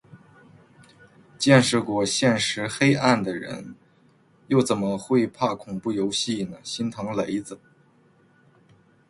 见识过现实黑暗的人，又怎么会怕恐怖游戏呢，心疼雷子